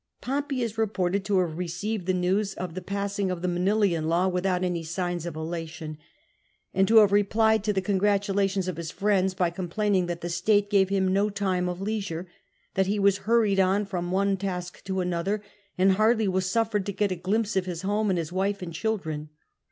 Pompey is reported to have received the news of the passing of the Manilian Law without any signs of elation, and to have replied to the congratulations of his friends by complaining that the state gave him no time of leisure, that he was hurried on from one task to another, and hardly was suffered to get a glimpse of his home, his wife and children.